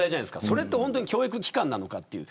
それって本当に教育機関なのかっていう。